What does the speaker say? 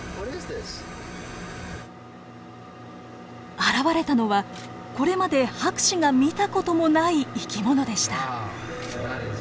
現れたのはこれまで博士が見た事もない生き物でした。